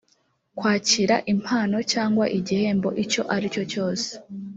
kwakira impano cyangwa igihembo icyo ari cyose